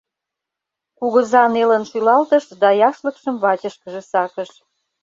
Кугыза нелын шӱлалтыш да яшлыкшым вачышкыже сакыш.